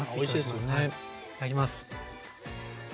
いただきます。